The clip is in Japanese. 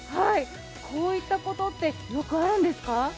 こういったことってよくあるんですか？